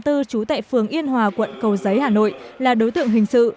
trú tại phường yên hòa quận cầu giấy hà nội là đối tượng hình sự